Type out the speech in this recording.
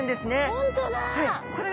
本当だ。